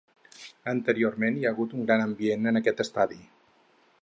Anteriorment hi ha hagut un gran ambient en aquest estadi.